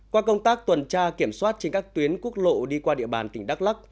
qua công tác tuần tra kiểm soát trên các tuyến quốc lộ đi qua địa bàn tỉnh đắk lắc